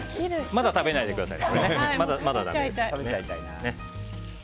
まだ食べないでくださいね。